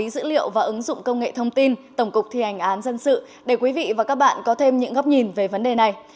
dữ liệu và ứng dụng công nghệ thông tin tổng cục thi hành án dân sự để quý vị và các bạn có thêm những góc nhìn về vấn đề này